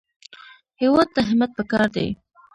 هېواد ته همت پکار دی